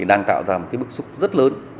đang tạo ra một bức xúc rất lớn